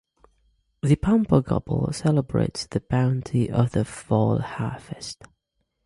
The pumpagubbe celebrates the bounty of the Fall Harvest.